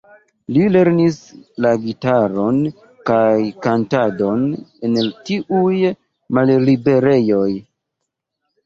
Li lernis la gitaron kaj kantadon en tiuj malliberejoj.